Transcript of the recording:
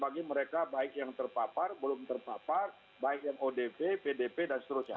bagi mereka baik yang terpapar belum terpapar baik yang odp pdp dan seterusnya